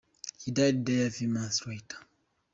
He died there a few months later.